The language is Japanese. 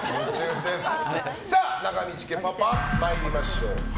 中道家パパ、参りましょう。